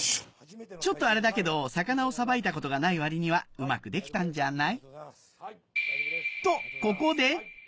ちょっとあれだけど魚をさばいたことがない割にはうまくできたんじゃない？